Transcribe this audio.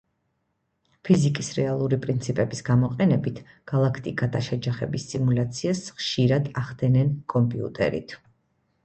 ფიზიკის რეალური პრინციპების გამოყენებით, გალაქტიკათა შეჯახების სიმულაციას ხშირად ახდენენ კომპიუტერით.